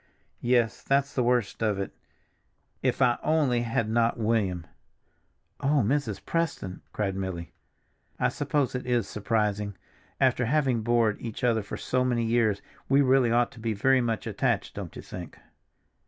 "Yes, that's the worst of it—if I only had not William!" "Oh, Mrs. Preston!" cried Milly. "I suppose it is surprising. After having bored each other for so many years, we really ought to be very much attached, don't you think?